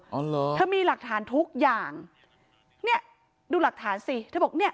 เหรอเธอมีหลักฐานทุกอย่างเนี่ยดูหลักฐานสิเธอบอกเนี่ย